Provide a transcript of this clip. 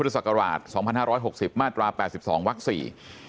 คะวิทยาสกราชสองพันธ้าร้อยหกสิบมาตราแปดสิบสองวักษี